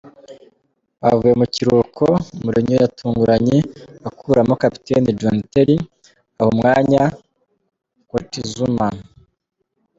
Bavuye mu kiruhuko, Mourinho yatunguranye akuramo kapiteni John Terry aha umwanya Kurt Zouma.